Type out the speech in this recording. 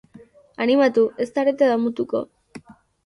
Animatu, ez zarete damutuko!